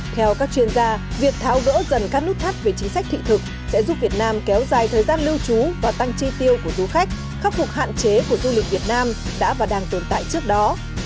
theo các chuyên gia việc tháo gỡ dần các nút thắt về chính sách thị thực sẽ giúp việt nam kéo dài thời gian lưu trú và tăng chi tiêu của du khách khắc phục hạn chế của du lịch việt nam đã và đang tồn tại trước đó